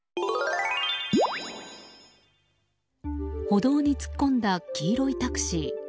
歩道に突っ込んだ黄色いタクシー。